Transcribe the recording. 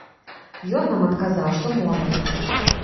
Ён нам адказаў, што можам.